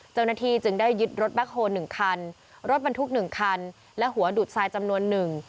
เจ้าหน้าที่จึงได้ยึดรถแบ็คโฮล๑คันรถบรรทุกหนึ่งคันและหัวดูดทรายจำนวนหนึ่ง